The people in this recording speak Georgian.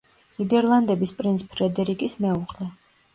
ნიდერლანდების პრინც ფრედერიკის მეუღლე.